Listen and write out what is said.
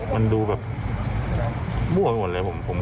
มันดูแบบบ่วนหมดเลย